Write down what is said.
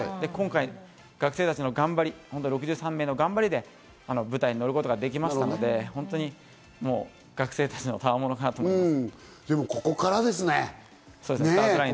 今回、学生たちの頑張り、６３名の頑張りでこの舞台にのることができましたので、本当に学生たちの賜かなと思います。